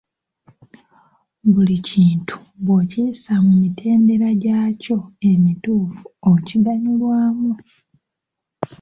Buli kintu bw’okiyisa mu mitendera gyakyo emituufu okigannyulwamu.